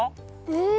え！